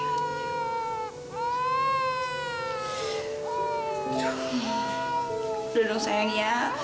udah dong sayang ya